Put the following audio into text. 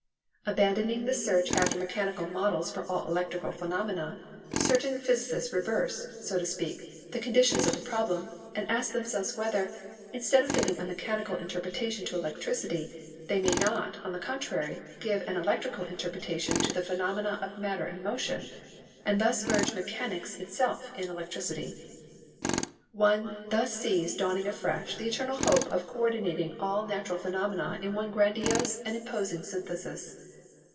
Abandoning the search after mechanical models for all electrical phenomena, certain physicists reverse, so to speak, the conditions of the problem, and ask themselves whether, instead of giving a mechanical interpretation to electricity, they may not, on the contrary, give an electrical interpretation to the phenomena of matter and motion, and thus merge mechanics itself in electricity. One thus sees dawning afresh the eternal hope of co ordinating all natural phenomena in one grandiose and imposing synthesis.